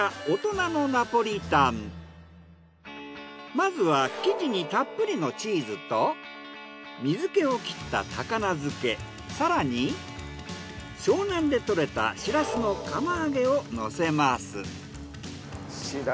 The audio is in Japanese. まずは生地にたっぷりのチーズと水気を切った高菜漬け更に湘南で獲れたしらすの釜揚げをのせます。